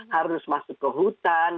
harus masuk ke hutan